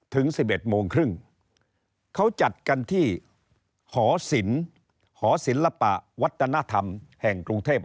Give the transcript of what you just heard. ถึง๑๑โมงครึ่งเขาจัดกันที่หอศิลป์หอศิลปะวัฒนธรรมแห่งกรุงเทพ